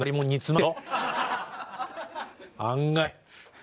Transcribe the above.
案外。